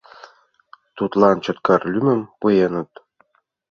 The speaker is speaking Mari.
Тудлан Чоткар лӱмым пуэныт.